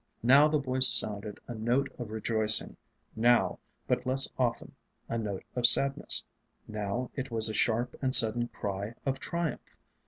Now the Voice sounded a note of rejoicing; now, but less often, a note of sadness; now it was a sharp and sudden cry of triumph.